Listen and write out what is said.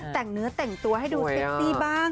แต่งเนื้อแต่งตัวให้ดูเซ็กซี่บ้าง